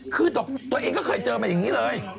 คือตัวเองก็เคยเจอมาอย่างนี้เลย